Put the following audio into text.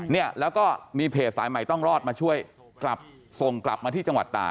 เนี่ยแล้วก็มีเพจสายใหม่ต้องรอดมาช่วยกลับส่งกลับมาที่จังหวัดตา